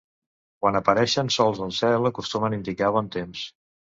Quan apareixen sols al cel acostumen a indicar bon temps.